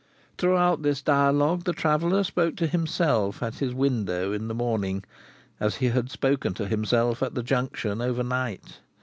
Throughout this dialogue, the traveller spoke to himself at his window in the morning, as he had spoken to himself at the Junction over night.